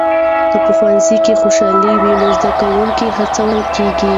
که په ښوونځي کې خوشالي وي نو زده کوونکي هڅول کېږي.